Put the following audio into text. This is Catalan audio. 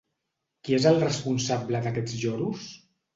Qui és el responsable d'aquests lloros?